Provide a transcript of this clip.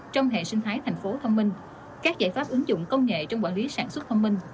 trong hệ sinh thái thành phố thông minh các giải pháp ứng dụng công nghệ trong quản lý sản xuất thông minh